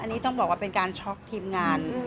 อันนี้ต้องบอกว่าเป็นการช็อกทีมงาน